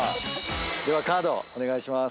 ではカードお願いします。